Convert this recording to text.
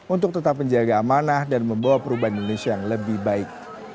untuk tetap menjaga amanah dan membawa perubahan indonesia yang lebih baik